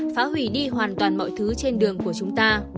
phá hủy đi hoàn toàn mọi thứ trên đường của chúng ta